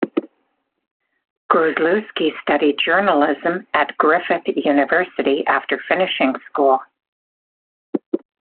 Gruzlewski studied journalism at Griffith University after finishing school.